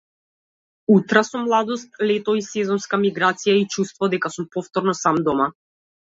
Утра со младост, лето и сезонска миграција, и чувство дека сум повторно сам дома.